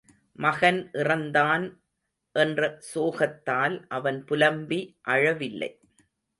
மகன் இறந்தான் என்ற சோகத்தால் அவன் புலம்பி அழவில்லை.